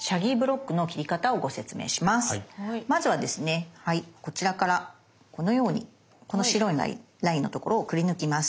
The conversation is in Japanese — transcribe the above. まずはですねこちらからこのようにこの白いラインのところをくりぬきます。